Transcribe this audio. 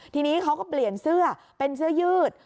ทีนี้เขาก็เปลี่ยนเสื้อเป็นเสื้อยืด